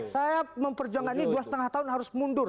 saya memperjuangkan ini dua lima tahun harus mundur